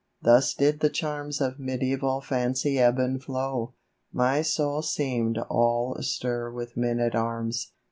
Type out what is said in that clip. .) Thus did the charms Of mediaeval fancy ebb and flow ; My soul seem'd all astir with men at arms.